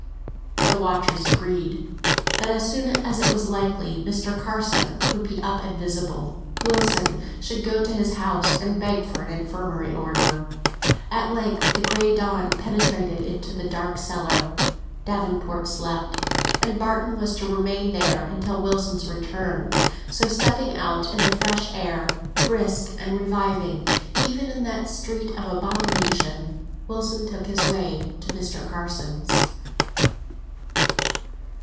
The watchers agreed, that as soon as it was likely Mr. Carson would be up and visible, Wilson should go to his house, and beg for an Infirmary order. At length the gray dawn penetrated even into the dark cellar. Davenport slept, and Barton was to remain there until Wilson's return; so stepping out into the fresh air, brisk and reviving, even in that street of abominations, Wilson took his way to Mr. Carson's.